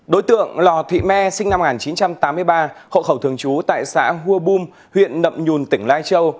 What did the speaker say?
đối tượng lò thị me sinh năm một nghìn chín trăm tám mươi ba hộ khẩu thường trú tại xã hua bum huyện nậm nhùn tỉnh lai châu